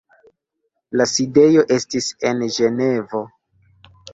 La sidejo estis en Ĝenevo.